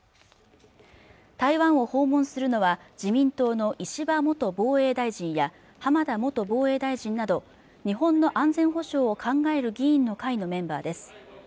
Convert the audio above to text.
台湾を訪問するのは自民党の石破元防衛大臣や浜田元防衛大臣など日本の安全保障を考える議員の会のメンバーです